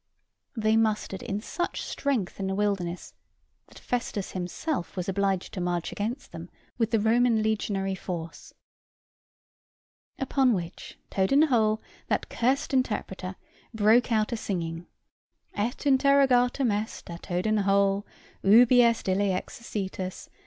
They mustered in such strength in the wilderness, that Festus himself was obliged to march against them with the Roman legionary force." Upon which Toad in the hole, that cursed interrupter, broke out a singing "Et interrogatum est à Toad in the hole Ubi est ille exercitus?